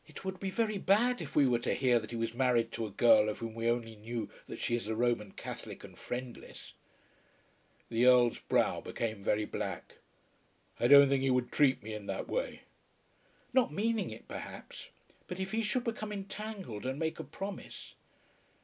"It would be very bad if we were to hear that he was married to a girl of whom we only know that she is a Roman Catholic and friendless." The Earl's brow became very black. "I don't think that he would treat me in that way." "Not meaning it, perhaps; but if he should become entangled and make a promise!"